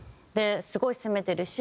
すごい攻めてるし。